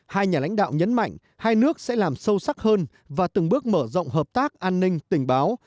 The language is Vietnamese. hai nhà lãnh đạo nhấn mạnh hai nước sẽ làm sâu sắc hơn và từng bước mở rộng hợp tác an ninh tình báo